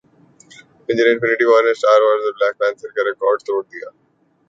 Avenger Infinity وارنے Star Wars اور Black Panther کاریکارڈ توڑدیا